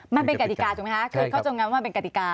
มันเป็นกติกาถูกไหมคะเคยเข้าจังงานว่ามันเป็นกติกา